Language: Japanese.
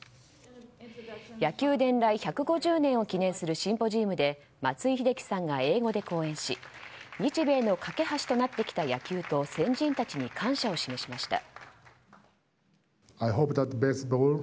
野球伝来１５０年を記念するシンポジウムで松井秀喜さんが英語で講演し日米の懸け橋となってきた野球と先人たちに感謝を示しました。